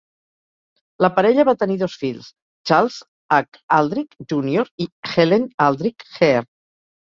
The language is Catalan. La parella va tenir dos fills, Charles H. Aldrich, Junior i Helen Aldrich Hare.